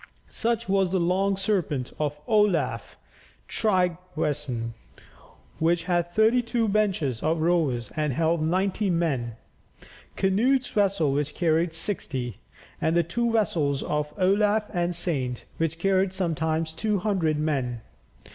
Such was the Long serpent of Olaf Tryggvason, which had thirty two benches of rowers and held ninety men, Canute's vessel, which carried sixty, and the two vessels of Olaf the Saint, which carried sometimes 200 men.